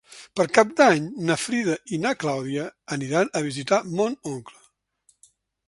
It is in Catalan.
Per Cap d'Any na Frida i na Clàudia aniran a visitar mon oncle.